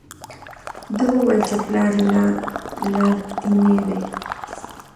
ده وویل چې پلار یې لادیني دی.